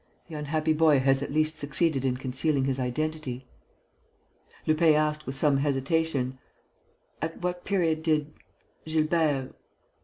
The unhappy boy has at least succeeded in concealing his identity." Lupin asked, with some hesitation: "At what period did ... Gilbert